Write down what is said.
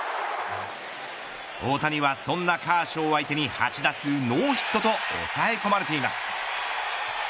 大谷は、そんなカーショー相手に８打数ノーヒットと抑え込まれています。